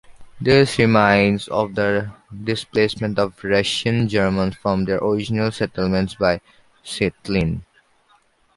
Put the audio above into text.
This reminds of the displacement of Russian Germans from their original settlements by Stalin.